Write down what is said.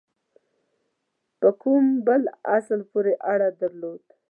په کوم بل اصل پوري اړه درلوده.